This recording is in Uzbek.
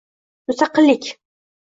Mustaqillik